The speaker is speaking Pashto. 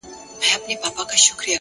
صبر د اوږدو هیلو ساتونکی دی؛